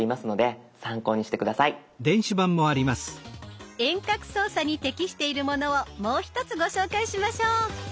遠隔操作に適しているものをもう一つご紹介しましょう。